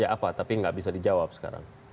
apa tapi nggak bisa dijawab sekarang